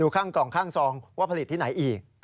ข้างกล่องข้างซองว่าผลิตที่ไหนอีก